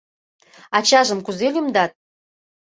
Ачажым кузе лӱмдат?